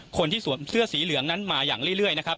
สวมเสื้อสีเหลืองนั้นมาอย่างเรื่อยนะครับ